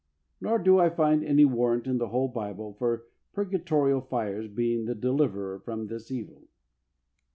Nor do I find any warrant in the whole Bible for purgatorial fires being the deliverer from this evil.